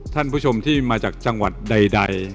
ท่านผู้ชมที่มาจากจังหวัดใด